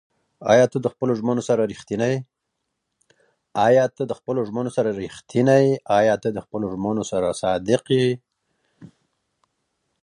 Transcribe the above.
ایا ته د خپلو ژمنو سره صادق یې؟